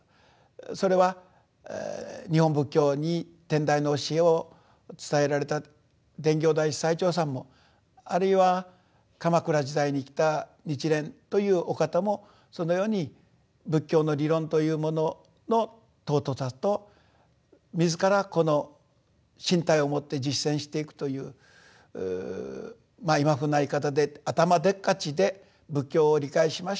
それは日本仏教に天台の教えを伝えられた伝教大師最澄さんもあるいは鎌倉時代に生きた日蓮というお方もそのように仏教の理論というものの尊さと自らこの身体をもって実践していくという今風な言い方で頭でっかちで仏教を理解しましたということではない。